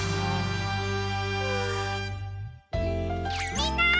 みんな！